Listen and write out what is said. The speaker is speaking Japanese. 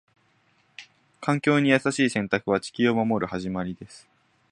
環境に優しい選択は、地球を守る始まりです。